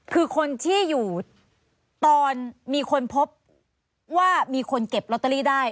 คือคนที่อยู่ตอนมีคนพบว่ามีคนเก็บลอตเตอรี่ได้